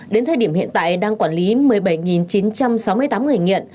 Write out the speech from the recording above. đến thời điểm hiện tại đang quản lý một mươi bảy chín trăm sáu mươi tám người nghiện